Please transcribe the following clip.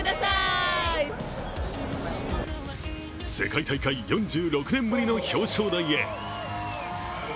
世界大会４６年ぶりの表彰台へ。